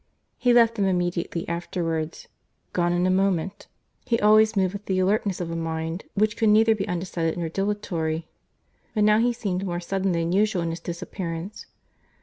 —He left them immediately afterwards—gone in a moment. He always moved with the alertness of a mind which could neither be undecided nor dilatory, but now he seemed more sudden than usual in his disappearance.